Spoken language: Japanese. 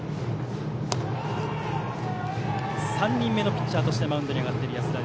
３人目のピッチャーとしてマウンドに上がっている安田。